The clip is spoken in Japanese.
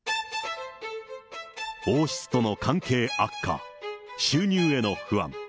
王室との関係悪化、収入への不安。